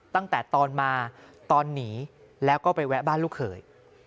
ตั้งแต่ตอนมาตอนหนีแล้วก็ไปแวะบ้านลูกเขย